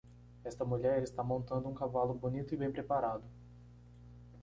Esta mulher está montando um cavalo bonito e bem preparado.